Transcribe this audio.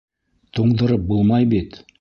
Туңдырып булмай бит!